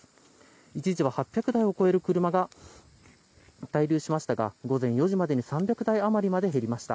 一時は８００台を超える車が滞留しましたが午前４時までに３００台あまりまでに減りました。